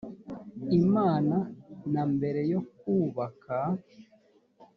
imana na mbere yo kubaka